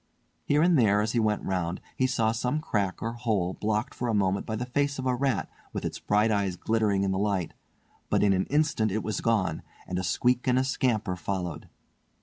Here and there as he went round he saw some crack or hole blocked for a moment by the face of a rat with its bright eyes glittering in the light, but in an instant it was gone, and a squeak and a scamper followed.